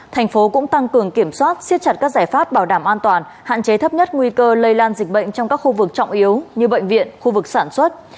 thành phố cũng tăng cường kiểm soát xiết chặt các giải pháp bảo đảm an toàn hạn chế thấp nhất nguy cơ lây lan dịch bệnh trong các khu vực trọng yếu như bệnh viện khu vực sản xuất